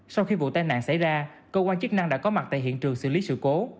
sau khi vụ tai nạn xảy ra cơ quan chức năng đã có mặt tại hiện trường xử lý sự cố